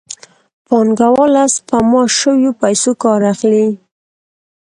پانګوال له سپما شویو پیسو کار اخلي